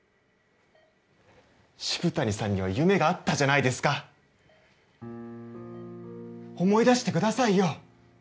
渋谷さんには夢があったじゃないですか思い出してくださいよ